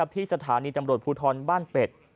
ที่สถานีตำรวจภูทรบ้านเป็ด